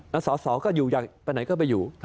แล้วสาวก็อยู่ไปไหนก็ไปอยู่